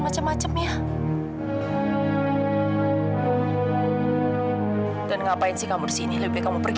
pak prawijaya benar benar baik pak